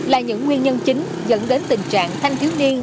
là những nguyên nhân chính dẫn đến tình trạng thanh thiếu niên